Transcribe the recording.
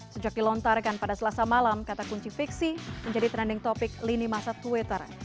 sejak dilontarkan pada selasa malam kata kunci fiksi menjadi trending topic lini masa twitter